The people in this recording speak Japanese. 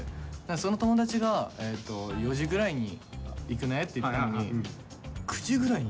その友達が「４時ぐらいに行くね」って言ってたのに９時ぐらいに。